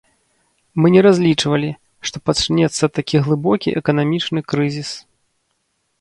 Мы не разлічвалі, што пачнецца такі глыбокі эканамічны крызіс.